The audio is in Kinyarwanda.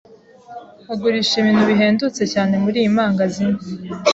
Bagurisha ibintu bihendutse cyane muriyi mangazini.